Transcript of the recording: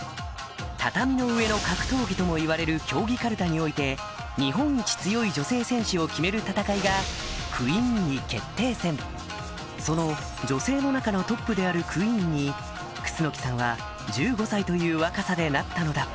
「畳の上の格闘技」ともいわれる競技かるたにおいて日本一強い女性選手を決める戦いがその女性の中のトップであるクイーンに楠木さんは１５歳という若さでなったのだ